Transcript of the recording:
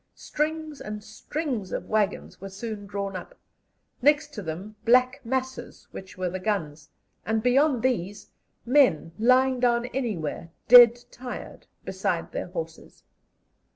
Strings and strings of waggons were soon drawn up; next to them black masses, which were the guns; and beyond these, men, lying down anywhere, dead tired, beside their horses.